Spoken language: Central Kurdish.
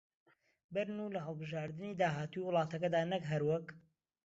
بەرن و لە هەڵبژاردنی داهاتووی وڵاتەکەدا نەک هەر وەک